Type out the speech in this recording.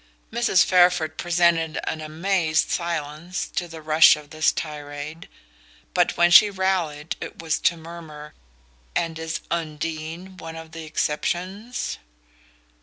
Mrs. Fairford presented an amazed silence to the rush of this tirade; but when she rallied it was to murmur: "And is Undine one of the exceptions?"